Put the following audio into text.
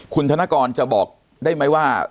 คุณธนกรจะบอกได้ไหมว่า